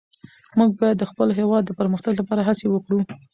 موږ باید د خپل هېواد د پرمختګ لپاره هڅې وکړو.